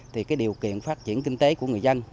thì cái điều kiện phát triển kinh tế của người dân